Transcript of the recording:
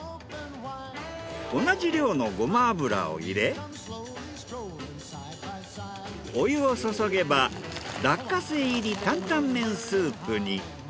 同じ量のごま油を入れお湯を注げば落花生入り坦々麺スープに。